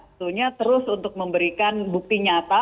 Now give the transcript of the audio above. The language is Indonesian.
tentunya terus untuk memberikan bukti nyata